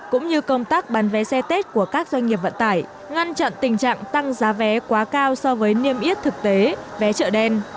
cũng như công tác bán vé xe tết của các doanh nghiệp vận tải ngăn chặn tình trạng tăng giá vé quá cao so với niêm yết thực tế vé chợ đen